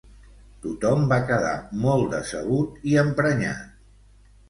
Tothom va quedar molt decebut i emprenyat.